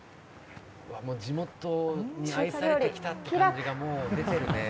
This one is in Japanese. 地元に愛されてきたって感じがもう出てるね。